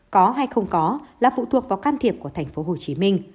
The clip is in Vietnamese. có hay không có là phụ thuộc vào can thiệp của tp hcm